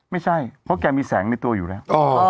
ไม่ใช่เพราะแกมีแสงในตัวอยู่แล้ว